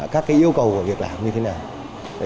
các yêu cầu của việc làm như thế nào